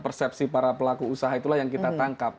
persepsi para pelaku usaha itulah yang kita tangkap